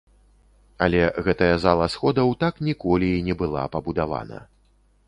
Але гэтая зала сходаў так ніколі і не была пабудавана.